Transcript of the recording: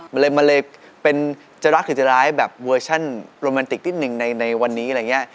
มันเลยมันเลยเป็นจะรักหรือจะร้ายแบบเวอร์ชันโรแมนติกนิดหนึ่งในวันนี้อะไรอย่างนี้